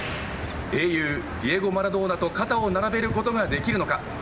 英雄、ディエゴ・マラドーナと肩を並べることができるのか。